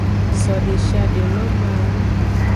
So deshiade no mawu.